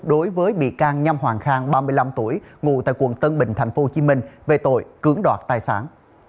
đối với bị can nhăm hoàng khang ba mươi năm tuổi ngụ tại quận tân bình tp hcm về tội cưỡng đoạt tài sản